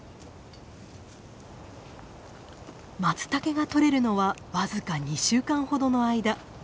マツタケが採れるのは僅か２週間ほどの間。